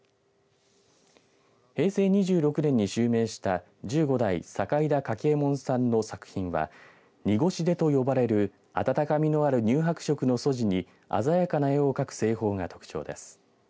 平成２６年に襲名した十五代酒井田柿右衛門さんの作品は濁手と呼ばれる温かみのある乳白色の素地に鮮やかな絵を描く製法が特徴です。